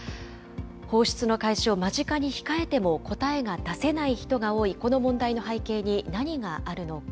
放出の開始を間近に控えても答えが出せない人が多いこの問題の背景に何があるのか。